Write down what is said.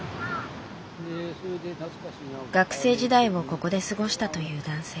学生時代をここで過ごしたという男性。